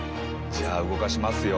じゃあ動かしますよ。